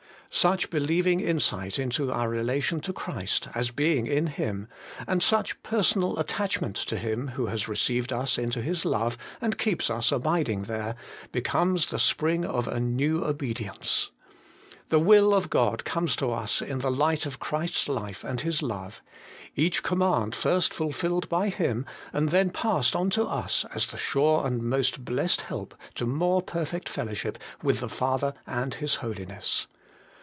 Such believing insight into our relation to Christ as being in Him, and such personal attachment to Him who has received us into His love and keeps us abiding there, becomes the spring of a new obedience. The will of God comes to us in the light of Christ's life and His love each command first fulfilled by Him, and then passed on to us as the sure and most blessed help to more perfect fellowship with the Father and His Holiness.